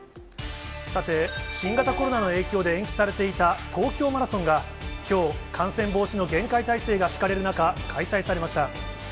さて、新型コロナの影響で延期されていた東京マラソンが、きょう、感染防止の厳戒態勢が敷かれる中、開催されました。